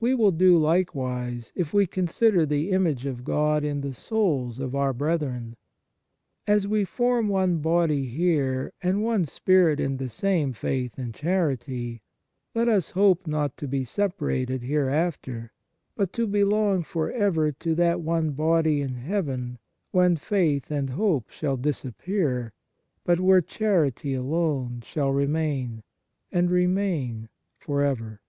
We will do likewise if we consider the image of God in the souls of our brethren. As we form one body here and one spirit in the same faith and charity, let us hope not to be separated hereafter, but to belong for ever to that one body in heaven when faith and hope shall disappear, but where charity alone shall remain, and remain for ever.